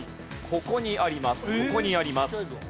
ここにあります。